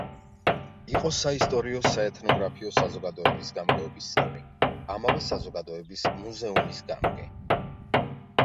იყო საისტორიო-საეთნოგრაფიო საზოგადოების გამგეობის წევრი, ამავე საზოგადოების მუზეუმის გამგე.